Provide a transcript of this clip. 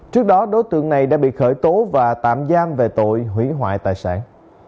trước đó đối tượng này đã bị khởi tố và tạm giam về tội hủy hoại tài sản